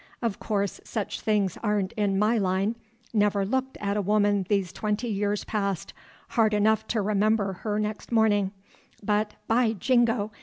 Of course, such things ain't in my line, never looked at a woman these twenty years past, hard enough to remember her next morning, but, by Jingo!